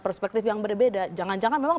perspektif yang berbeda jangan jangan memang